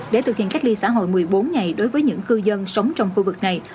để thực hiện cách ly xã hội một mươi bốn ngày đối với những cư dân sống trong khu vực này